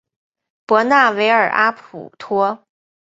博纳维尔阿普托。